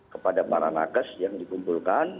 kepada para nakes yang dikumpulkan